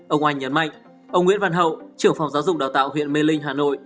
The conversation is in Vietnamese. ông oanh nhấn mạnh ông nguyễn văn hậu trưởng phòng giáo dục đào tạo huyện mê linh hà nội